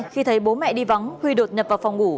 khi thấy bố mẹ đi vắng huy đột nhập vào phòng ngủ